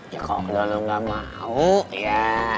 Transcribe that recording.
ya kalau lo gak mau ya